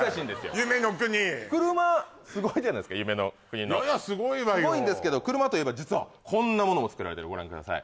夢の国車すごいじゃないっすか夢の国のいやいやすごいわよすごいんですけど車といえば実はこんなモノも作られてるご覧ください